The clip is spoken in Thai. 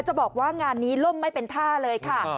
จะบอกว่างานนี้ล่มไม่เป็นท่าเลยค่ะ